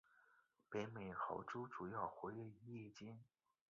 北美豪猪主要活跃于夜间。